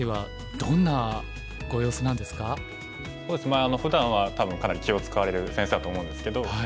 まあふだんは多分かなり気を遣われる先生だと思うんですけど。